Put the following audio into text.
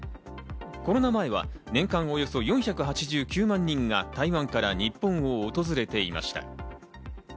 コロナ前は年間およそ４８９万人が台湾から日本を訪れていました。